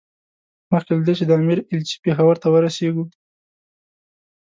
مخکې له دې چې د امیر ایلچي پېښور ته ورسېږي.